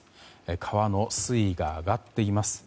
川の水位が上がっています。